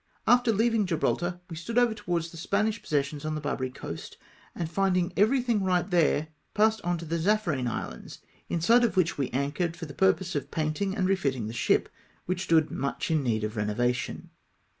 After leaving Gil^raltar, we stood over towards the Spanish possessions on the Barbary coast, and finding everything right there, passed on to the Zaffiirine Is lands, inside of which we anchored for the purpose of painting and refitting the ship, which stood much hi need of renovation.